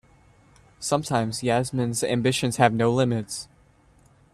Sometimes Yasmin's ambitions have no limits.